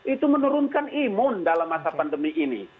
itu menurunkan imun dalam masa pandemi ini